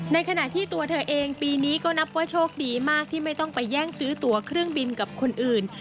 ในขณะที่ตัวเธอเองปีนี้ก็นับว่าโชคดีมากที่ไม่ต้องไปแย่งซื้อตัวเครื่องบินกับคนอื่น